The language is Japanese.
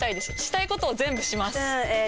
したいことを全部します。